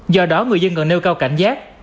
do đó người dân cần nêu cao cảnh giác